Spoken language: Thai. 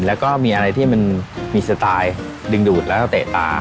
แล้วก็มีอะไรที่มันมีสไตล์ดึงดูดแล้วก็เตะตา